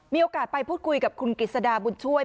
มีโอกาสไปพูดคุยกับคุณกิจสดาบุญช่วย